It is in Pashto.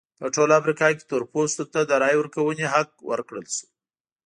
په ټوله افریقا کې تور پوستو ته د رایې ورکونې حق ورکړل شو.